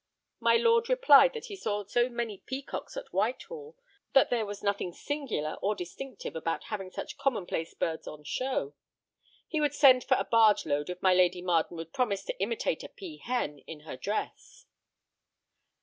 My lord replied that he saw so many peacocks at Whitehall that there was nothing singular or distinctive about having such commonplace birds on show. He would send for a barge load if my Lady Marden would promise to imitate a pea hen in her dress.